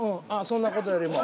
そんなことよりも。